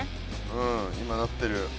うん今なってる。